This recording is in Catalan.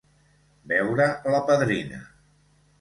Veure la padrina.